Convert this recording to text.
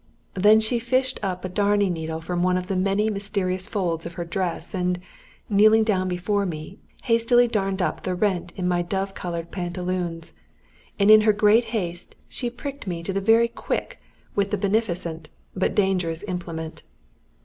Then she fished up a darning needle from one of the many mysterious folds of her dress, and, kneeling down before me, hastily darned up the rent in my dove coloured pantaloons, and in her great haste she pricked me to the very quick with the beneficent but dangerous implement.